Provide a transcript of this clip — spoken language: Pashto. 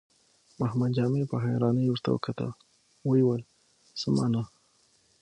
محمد جامي په حيرانۍ ورته وکتل، ويې ويل: څه مانا؟